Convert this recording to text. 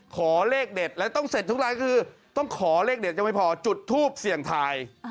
ขอเลขเด็ดแล้วต้องเสร็จทุกรายคือต้องขอเลขเด็ดยังไม่พอจุดทูปเสี่ยงทาย